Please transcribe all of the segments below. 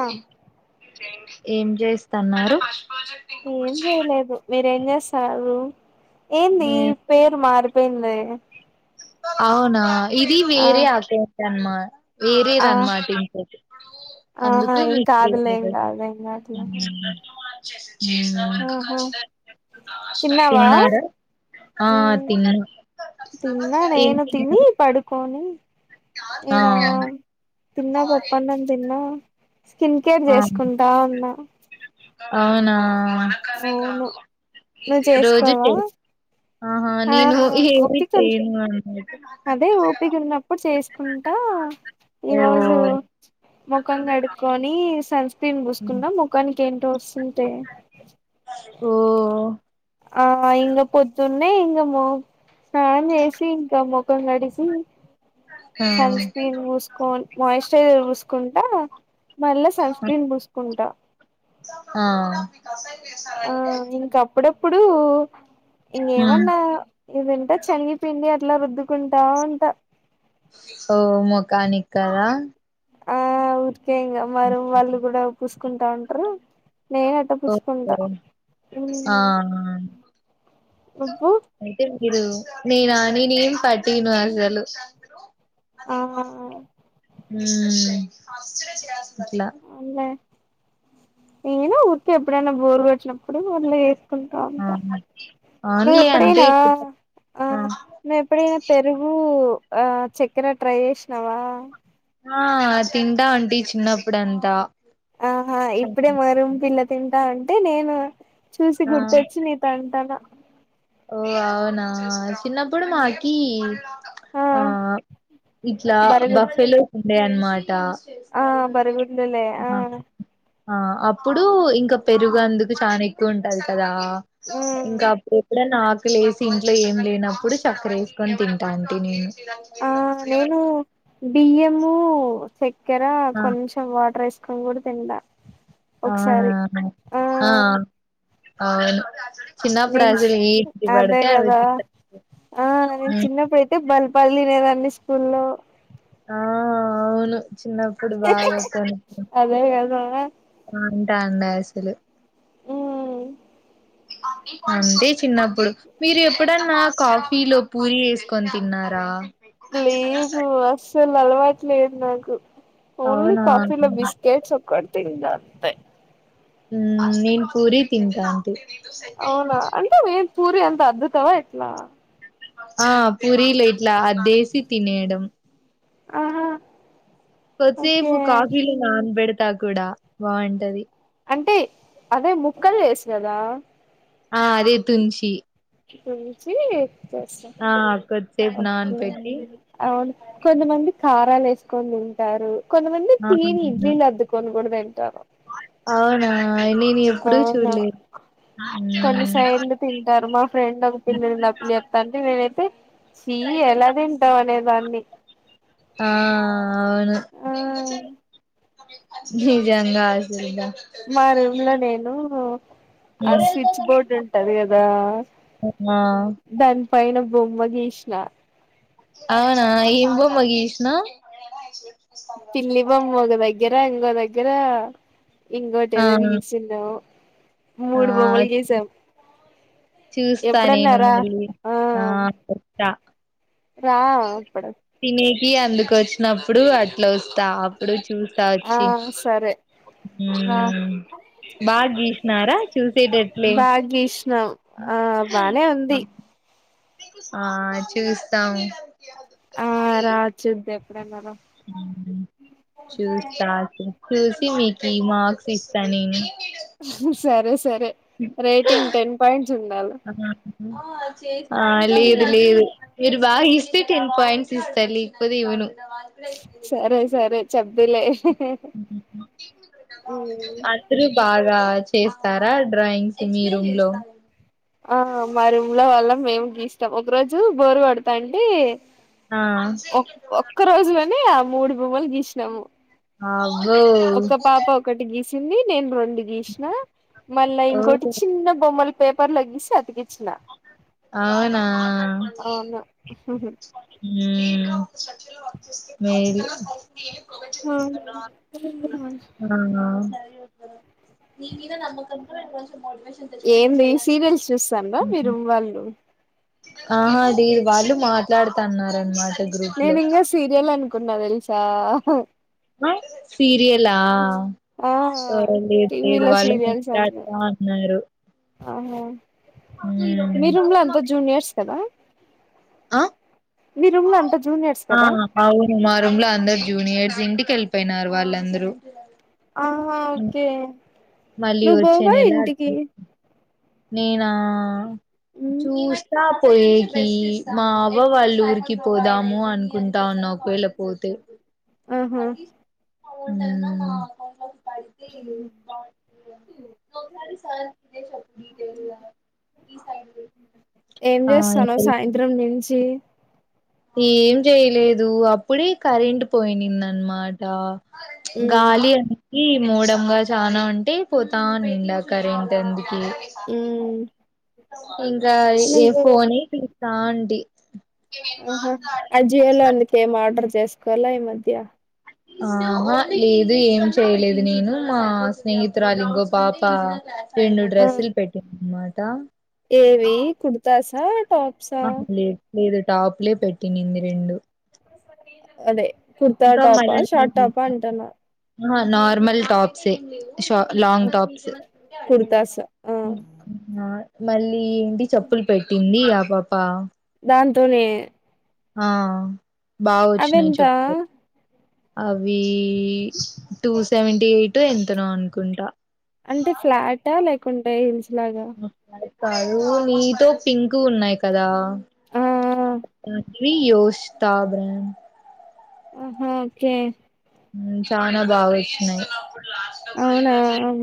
ఆ ఏం చేస్తన్నారు ఏం చేయలేదు మీరేం చేస్తారు ఏందీ పేరు మారి పోయిందీ అవునా ఇదీ వేరే అకౌంట్ అన్మా వేరేది ఆ అన్మాట ఇంకోటి. ఆ అందుకు ఏం కాదులే ఏం వీలు కాదు ఏం కాదులే ఆహా తిన్నావా తిన్నారా ఆ తిన్న ఆ నేను తిని పడుకు అవుని ఆ నేనా తిన్నా పప్పు అన్నం తిన్నా స్కిన్ కేర్ ఆ చేసుకుంటా ఉన్నా అవునా అవును నువ్వు రోజు చేసుకోవా చే ఆహా ఆ నేను హైరనీ ఓపిక అదే ఊపిక ఉన్నప్పుడు చేసుకుంటా ఈ రోజు ముఖం కడుకొని సన్ స్క్రీన్ పూసుకున్నా ముఖానికి ఏంటో వస్తుంటే ఓ ఓ ఆహా ఇకా పొద్దు నే ఇంక స్నానం చేసి ఇంకా ముఖం కడుక్కుని ఆ సన్ స్క్రీన్ పోసుకొని మాయిశ్చరైజర్ చూసుకుంటా మళ్ళా సన్ స్క్రీన్ పూసుకుంటా ఆ ఇప్పుడు ఉమ్. ఇంకేమన్నా ఇదంటా శనిగిపిండి అ ఇట్లా రద్దుకుంటా ఉంటా ఓ మొఖానికి కదా కే ఇగా మరి మా రూమ్ వాళ్ళు కూడా పూసుకుంటా ఉంటారు నేను అట్ట ఓహో పుసుకుంటా ఆ నువ్వు అయితే నేనా నానేం పట్టిను అసలు ఆ మ్మ్ అట్లా అవున్లే నేను ఊరికే ఎప్పుడనా బోర్ కోటి అప్పుడు అట్లా చేసుకుంటా ఆ ఉంటా అవునులే అంతే నువ్వెప్పుడైనా ఆ నువ్వెప్పుడైనా పెరుగు ఆ చక్కెర ట్రై చేసినావా ఆ తింటా అంటీ చిన్నప్పుడుంతా ఆహా ఇప్పుడే మా రూమ్ పిల్ల తింటా అంటే నేను చూసి ఆ గుర్తొచ్చి నీతో అంటానా ఓ అవునా చిన్నప్పుడు మాకి ఆ ఇట్లా బరగుడ్ బఫేలో ఉండేయ అన్నమాట ఆ బరగులలే ఆ ఆ అప్పుడు ఇంకా పెరుగు అందుకు చానా ఎక్కువ ఉంటది కదా మ్మ్ ఇంకా నాకు ఆకలేసి ఇంట్లో ఏం లేనప్పుడు చక్కర వేసుకొని తింటా ఉంటిని ఆ [unintelligible] నేను బియ్యము చక్కెర ఆ కొంచెం వాటర్ వేసుకొని కూడా తింటా అవునా ఒకసారి ఆ అవును చిన్నప్పుడు నేచ్ అసలు ఏంటి అదే పడితే అవి కదా తింటా. ఆ నేను చిన్నప్పుడు అయితే బల్ పళ్లి తినేదాన్ని స్కూల్ల్లో ఆ అవును చిన్నప్పుడు బాగా కను అదే కదా అంటా అండి అసలు మ్మ్ అంతే చిన్నప్పుడు మీరు ఎప్పుడన్నా కాఫీలో పూరీ వే కొని తిన్నారా లేదు అస్సలు అలవాటు లేదు నాకు ఓన్లీ అవునా కాఫీలో బిస్కెట్స్ ఒక తింద అంతే ఉ నేను పూరి తింటాంటి అవునా అంటే మేం పూరి అంత అద్భుతమ ఎట్లా ఆ పూరీలు ఇట్లా అద్దేసి తినేయడం అహ కొద్దిసేపు కాఫీలో నానబెడతా కూడా బాగుంటది అంటే అదే ముక్కలు వేసు కదా ఆ అదే తుంచి తుంచి ఆ కొద్దిసేపు ఒకే నానపెట్టి అవును కొంతమంది కారాలు వేసుకొని తింటారు కొంతమంది ఆ టీని అవును. ఇడ్లీలద్దుకొని కూడా తింటారు అవునా నేను ఎప్పుడు అవును చూడలే కొన్ని సైడ్లు తింటారు మా ఫ్రెండ్ ఒక పిల్ల ఉండె ఆ పిల్ల చెప్తాంటే నేను తే చీ ఎలా తింటావ్ అనేదాన్ని ఆ అవును ఆ నిజంగా అసలు మా రూమ్ లో నేను ఆ స్విచ్ బోర్డ్ ఉంటది కదా ఆ దాని పైన బొమ్మగీష్ణ అవునా ఏమి బొమ్మ గీసిన పిల్లి బొమ్మ ఒక దగ్గర ఇంకో దగ్గర ఇంగోటి ఆ ఏదో గీసిన్ను ఆ మూడు బొమ్మలు గిసాం చూస్తా నేను ఎప్పుడన్నరా మళ్ళీ ఆ రా అప్పుడు కి అందుకు వచ్చినప్పుడు అట్ల వస్తా అప్పుడు చూస్తా ఆ వచ్చి సరే ఊ రా బాగా గీసినారా చూసేటట్లే బాగా గీసినాం ఆ బానే ఉంది ఆ చూస్తాం ఆ రా చూద్దాం ఎప్పుడన రా చూసకె చూసి మీకి మార్క్స్ ఇస్తా నేను సరే సరే రేటింగ్ టెన్ పాయింట్స్ ఉండాలి ఆ లేదు లేదు మీరు బాగా ఇస్తే టెన్ పాయింట్స్ ఇస్తా లేకపోతే ఇవను సరే సరే చెబ్బిలె అత్రు బాగా చేస్తారా డ్రాయింగ్స్ మీ రూమ్ లో ఆ మా రూమ్ లో వాళ్ళం మేము గీస్తాం ఒక రోజు బోరు కొడతాంటే ఆ ఒ ఒక్క రోజులోనే ఆ మూడు బొమ్మలు గీసినాము అబ్బో ఒక పాప ఒకటి గీస్ సింది నేను రెండు గీసిన మళ్ళ ఓ ఇంకోటి చిన్న బొమ్మల పేపర్ల గీసి అతి అవునా ఉహు ఊ మేలు అహ నీ మీద నమ్కంత అ ఏంది సీరియల్స్ చూస్తాన్డ్రా, మీరు వాళ్ళు? ఆ దీ వాళ్ళు మాట్లాడుతున్నారు అనమాట నేను ఇంకా సీరియల్ అనుకున్నా తెలుసా హ సీరియల్లా ఆ సరే లేదు లేదు టీవీలో వాళ్ళు సీరియల్స్ అను మాట్లాతా ఉన్నారు. ఆహా మీ రూమ్ లో అంతా జూనియర్స్ కదా ఆ మీరు రూమ్ లో అంత ఆ అవును మా రూమ్ లో అందరు జూనియర్స్ ఇంటికి వెళ్ళిపోయినారు వాళ్ళందరూ ఆహా అ ఓకే మళ్ళీ నువ్వు వచ్చే పోవా నెలా ఇంటికి అంతే నేనా చూస్తా పోయేకి మాబ వాళ్ళ ఊరికి పోదాము అనుకుంటా ఉన్నా ఒకవేళ పోతే ఆహా ఒ టన్న నార్మల్ దా అయితే బాగుంటదిగా ఓసారి సదే [unintelligible] ఏం ఆ చేస్తానవ్ సాయంత్రం నుంచి ఏం చేయలేదు అప్పుడే కరెంట్ పోయింది అనమాట మ్మ్ గాలి అకి మూడంగా చానా ఉంటే పోతాను ఇండా కరెంట్ అంది ఉమ్ ఇంకా ఏ నువ్వు ఫోన్ తి తాండి ఇవి ఆహా ఆ జియోలో అందుకే ఏం ఆర్డర్ చేసుకోవాలా ఈ మధ్య ఆ ఇదే అ ఏం చేయలేదు నేను మా స్నేహితురాలి ఇంకో పాప రెండు ఆ డ్రెస్సులు పెట్టింది అన్నమాట ఏవి కుర్తాసా టాప్సా ఆహా లేదు లేదు టాప్లే పెట్టినింది రెండు అదే కుర్తా ఇంకా టాపా, షార్ట్ మళ్ళీ టాపా అంటున్నా ఆహా నార్మల్ టాప్సే ష లాంగ్ టాప్స్ కుర్తాస్ ఆ నా మళ్ళీ ఏంటి చెప్పులు పెట్టింది ఆ పాప ఆంతోనే ఆ బాగా వచ్చినాయి చెప్తే అవి టూ సెవెంటీ ఎయిట్ ఎంతనో అనుకుంటా. అంటే ఫ్లాటా లేకుంటే హిల్స్ లాగా అ కాదు నీతో పింక్ ఉన్నాయి కదా ఆ అన్వి యోష్ తాబరె ఆహా ఓకే చనా బాగా వచ్చినాయి అవునా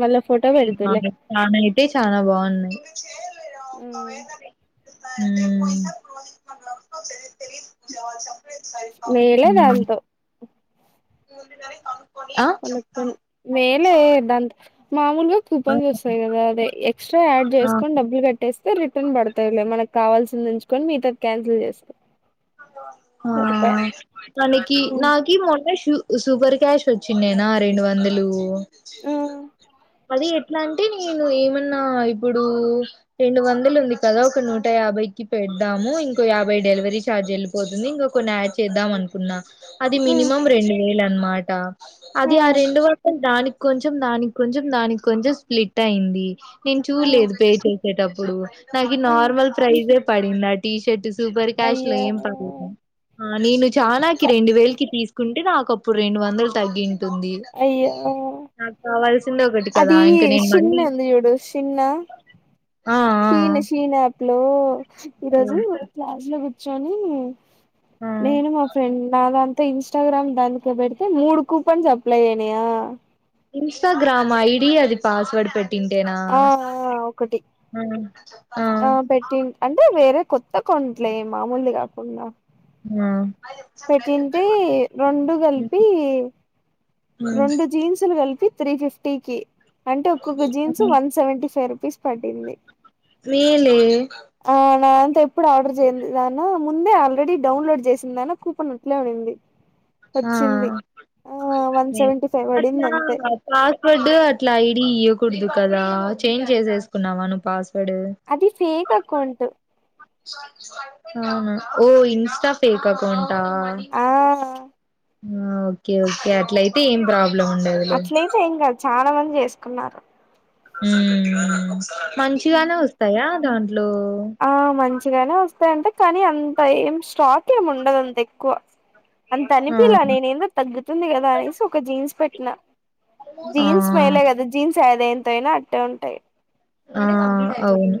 మళ్ళా ఫోటో పెడుదులే నాక్ అయితే చాలా బావున్నాయి ప్రాజెక్టు మేలే హ్మ్ దాంతో ముందుగానే పాపం కొలక్కుం మేలే దంత మామూలుగా కూపన్స్ చేస్తాది కదా అదే ఎక్స్ట్రా యాడ్ ఆ! చేసుకొని డబ్బులు కట్టేస్తే. రిటర్న్ పడతాయిలే మనకు కావాల్సింది ఎంచుకొని మిగతది క్యాన్సిల్ చేస్తా. సరిపాయే ఆహ్ అనకి హ్మ్ నాకి మొన్న షూ. సూపర్ క్యాష్ వచ్చిండేనా రెండు వందలు ఆ మళ్లీ చెప్పు. ఇట్లా అంటే నేను ఏమన్నా ఇప్పుడు రెండు వందలు ఉంది కదా ఒక నూట యాభైకి పెట్. ఇద్దాము ఇంకో యాభై డెలివరీ. ఛార్జ్ వెళ్ళిపోతుంది ఇంకా కొన్ని యాడ్ చేద్దాం అనుకున్నా అది ఆ మినిమం రెండు వేలు అనమాట. అది ఆ రెండు వట్లు దానికి కొంచెం దానికి కొంచెం దానికి కొంచెం స్ప్లిట్ అయింది. నేను ఆ చూడలేదు పే చేసేటప్పుడు నాకు ఆ నార్మల్ ప్రైజే పడిందా ఆ టీ షర్ట్. సూపర్ క్యాష్ లో అయ్యో ఏం [unintelligible] ఆహ్ నేను చానాల్కి రెండు వేలకి తీసుకుంటే నాకు. ఒకప్పుడు రెండు వందలు తగ్గింది. అయ్యో. కావాల్సింది ఒకటి కదా అది ఇంకా నేను మళ్ళీ షిన్నల్ది చూడు షిన్న. ఆ షీన్ షీన్ప్ యాప్ లో ఆ ఈరోజు క్లాస్ లో కూర్చొని. ఆ నేను మా ఫ్రెండ్ నాదాం. ఇన్స్టాగ్రామ్ దాంలో పెడితే మూడు కూపన్స్ అప్లై అయనాయా. ఇన్స్టాగ్రామా ఈడి అది పాస్వర్డ్ పెట్. ఆహ్ ఒకటి ఆ ఆహ్ ఆ పెట్టి అంటే వేరే. కొత్త అకౌంట్లే మామూలుది కాకుండా. ఉమ్. పెట్టింటే రెండు కలిపి రెండు జీన్సులు కలిపి. త్రీ ఫిఫ్టీ కి అంటే ఒక్కొక్క jeans one seventy five rupees పడింది. మేలే. నా అంతా ఎప్పుడు ఆర్డర్ చేయంది ముందే ఆల్రెడీ డౌన్లోడ్ చేసిందాకు కూపెన్ అట్లే ఉండింది. వచ్చింది ఆహ్ ఆ వన్ నేను సెవెంటీ ఫైవ్ పడింది అట్లా అంతే పాస్వర్డ్ అట్లా ఐడి ఇయక్. కుడదు కదా చేంజ్ చేసేసుకున్నావా నువ్వు పాస్. అది ఫేక్ అకౌంట్. అవును ఓ ఇన్స్టా పేక్ అకౌంటా. ఆ ఓకే ఓకే అట్లయితే ఏం ప్రాబ్లం. ఉండదులే ఫేక్ ఏం కాదు చాలా మంది చేసుకున్నారు. హ్మ్ మంచిగానే వస్తాయా దాంట్లో. ఆహ్ మంచిగానే వస్తాయంటే కానీ అంత ఏం స్టాక్ ఏమి ఉండదు అంత ఎక్కువ. అంత ఆ అనిపియలేలా నేనే ఏందో తగ్గుతుంది కదా అనేసి ఒక జీన్స్ పెట్టినా. ఆ జీన్స్ మేలే కదా జీన్స్ యాది ఎంత అయినా అట్టే ఉంటాయి. ఆహ్ అవును.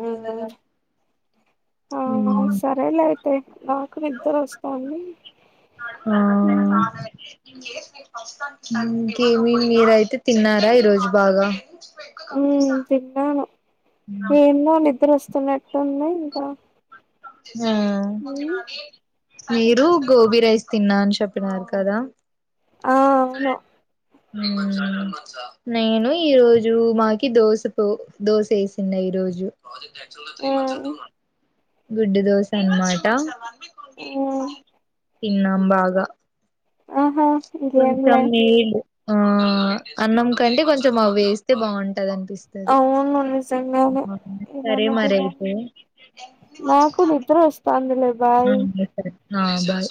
మ్మ్ ఆ ఉమ్. సరేలే అయితే నాకు నిద్దర వస్తాందీ ఆ ఉమ్. ఇంకేమి మీరైతే తిన్నారా ఈరోజు బాగా. ఉమ్ తిన్నాను ఏందో నిద్ర వస్తున్నట్టుంది ఇంకా. ఉమ్ మ్మ్ మీరు గోబీ రైస్ తిన్నా అని చెప్పినారు కదా. ఆహ్ అవును. ఉమ్ నేను ఈ రోజు మాకి దోశ తో దోశ వేసింది. ఈరోజు మ్మ్ గుడ్డు దోస అనమాట. మ్మ్ తిన్నాం బాగా ఆహా కొంచెం ఇంకేంలే నీళ్ళు ఆ అన్నం కంటే కొంచెం అవి వేస్తే బాగుంటదంట అవును నిజంగానే సరే ఏమన్నా మరి తినాలి అయితే [unintelligible] వస్తాంది లే బాయ్ ఆ సరే ఆ బాయ్